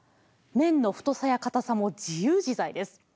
めんの太さやかたさも自由自在です。